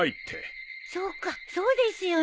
そうかそうですよね。